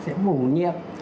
sẽ mù nhiệm